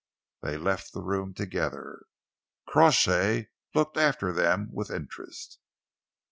They left the room together. Crawshay looked after them with interest.